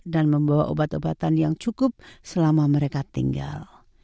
dan membawa obat obatan yang cukup selama mereka tinggal